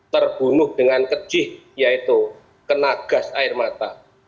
terbunuh dengan kejih yaitu kena gas air mata